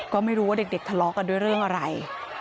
ก็ไม่รู้ว่าเด็กทะเลาะกันด้วยเรื่องอะไร